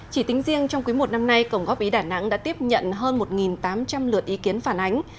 chỉ tính riêng trong quý một năm nay cổng góp ý đà nẵng đã tiếp nhận hơn một tám trăm linh lượt ý kiến phản ánh